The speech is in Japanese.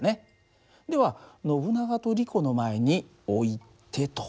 ではノブナガとリコの前に置いてと。